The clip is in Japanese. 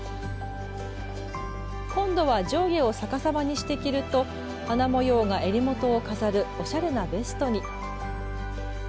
今度は上下を逆さまにして着ると花模様がえりもとを飾るおしゃれなベストに。